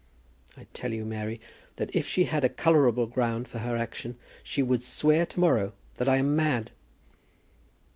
I tell you, Mary, that if she had a colourable ground for her action, she would swear to morrow that I am mad."